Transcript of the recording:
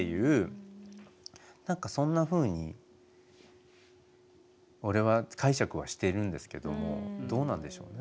何かそんなふうに俺は解釈はしているんですけどもどうなんでしょうね